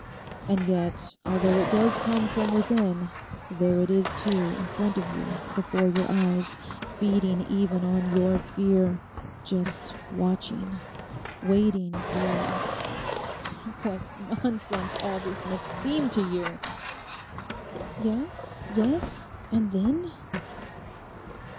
And yet although it does come from within, there it is, too, in front of you, before your eyes, feeding even on your fear, just watching, waiting for—What nonsense all this must seem to you!' 'Yes, yes; and then?